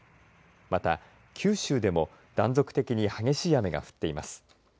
また、九州でも断続的に激しい雨が降っています。